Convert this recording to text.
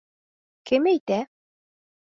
Кем әйтә?